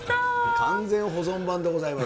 完全保存版でございます。